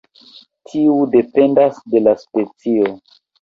Tiu dependas de la specio.